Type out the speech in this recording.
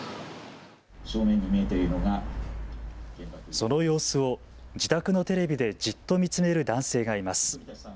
その様子を自宅のテレビでじっと見つめる男性がいます。